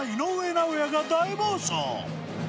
尚弥が大暴走！